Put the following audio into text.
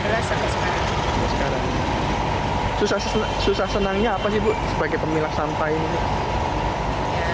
susah senangnya apa sih bu sebagai pemilihan sampah